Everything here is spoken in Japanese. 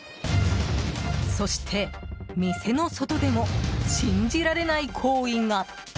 そして、店の外でも信じられない行為が。